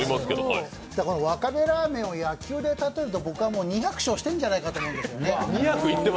わかめラーメンを野球で例えると僕はもう２００勝してるんじゃないかと思うんですね。